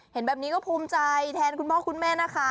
เห็นแบบนี้ก็ภูมิใจแทนคุณพ่อคุณแม่นะคะ